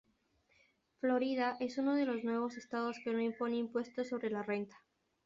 Florida es uno de los nueve estados que no impone impuestos sobre la renta.